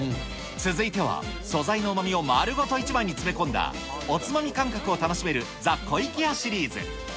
続いては素材のうまみを丸ごと一枚に詰め込んだおつまみ感覚を楽しめるザ・コイケヤシリーズ。